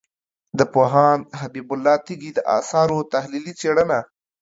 د پوهاند حبیب الله تږي د آثارو تحلیلي څېړنه